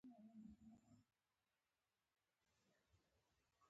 د وېش پر خلاف د مصنوعي ملک پاکستان پر ځای.